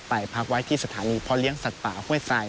พักไว้ที่สถานีพ่อเลี้ยงสัตว์ป่าห้วยไท